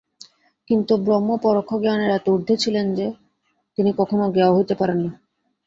কিন্তু ব্রহ্ম পরোক্ষ-জ্ঞানের এত ঊর্ধ্বে যে, তিনি কখনও জ্ঞেয় হইতে পারেন না।